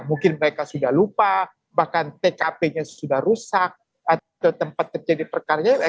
mungkin mereka sudah lupa bahkan tkp nya sudah rusak atau tempat terjadi perkaranya